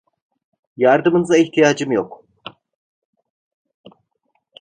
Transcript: Yardımınıza ihtiyacım yok.